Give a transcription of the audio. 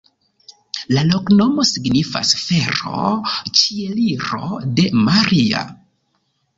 La loknomo signifas: fero-Ĉieliro de Maria.